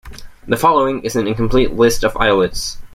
The following is an incomplete list of islets.